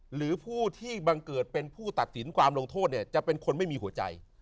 หรือผู้ที่บังเกิดเป็นผู้ตัดสินความลงโทษเนี่ยจะเป็นคนไม่มีหัวใจ